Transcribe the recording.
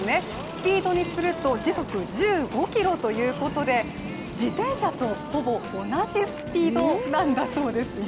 スピードにすると時速１５キロということで自転車とほぼ同じスピードなんだそうですよ。